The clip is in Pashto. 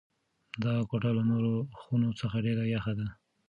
دا کوټه له نورو خونو څخه ډېره یخه ده.